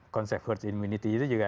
konsep herd immunity itu juga